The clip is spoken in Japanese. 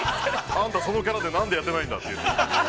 あんた、そのキャラで、なんでやってないんだって。